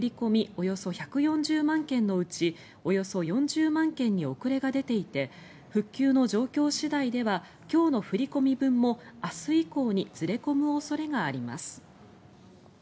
およそ１４０万件のうちおよそ４０万件に遅れが出ていて復旧の状況次第では今日の振込分も明日以降にずれ込む恐れがあります。